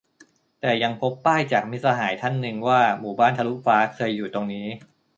แต่ยังพบป้ายจาก มิตรสหายท่านหนึ่ง ว่า หมู่บ้านทะลุฟ้า เคยอยู่ตรงนี้